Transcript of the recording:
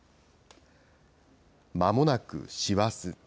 まもなく師走。